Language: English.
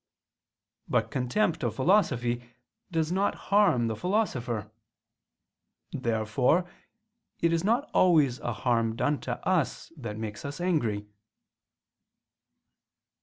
But contempt of philosophy does not harm the philosopher. Therefore it is not always a harm done to us that makes us angry.